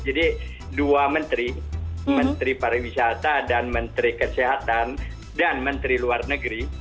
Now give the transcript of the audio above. jadi dua menteri menteri pariwisata dan menteri kesehatan dan menteri luar negeri